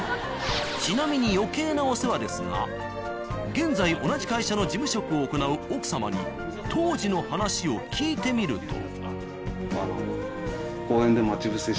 ちなみに余計なお世話ですが現在同じ会社の事務職を行う奥様に当時の話を聞いてみると。